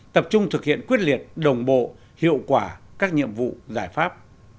tập trung thực hiện quyết liệt đồng bộ hiệu quả các nhiệm vụ giải pháp